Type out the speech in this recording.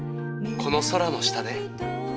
この空の下で。